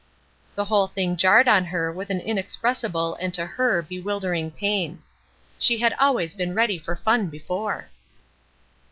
The whole thing jarred on her with an inexpressible and to her bewildering pain. She had always been ready for fun before.